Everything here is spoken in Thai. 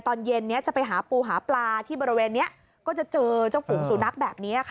ตอนเย็นนี้จะไปหาปูหาปลาที่บริเวณนี้ก็จะเจอเจ้าฝูงสุนัขแบบนี้ค่ะ